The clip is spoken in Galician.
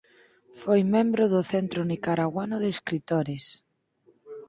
Foi membro do Centro Nicaraguano de Escritores.